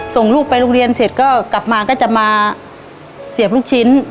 ส่งลูกไปโรงเรียนเสร็จก็กลับมาก็จะมาเสียบลูกชิ้น